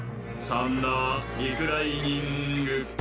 サンダー・リクライニング。